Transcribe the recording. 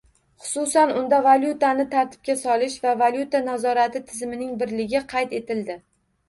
Xususan, unda valyutani tartibga solish va valyuta nazorati tizimining birligi qayd etildi